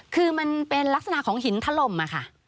คือมันเป็นลักษณะของหินถล่มค่ะ